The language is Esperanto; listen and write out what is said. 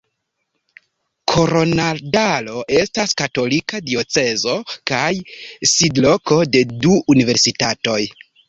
Koronadalo estas katolika diocezo kaj sidloko de du universitatoj.